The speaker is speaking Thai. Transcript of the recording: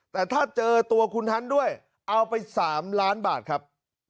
แต่ถ้าเจอตัวคุณฮันด้วยเอาไป๓ล้านบาทครับ